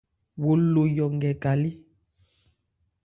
Wo lo yɔ nkɛ ka lé.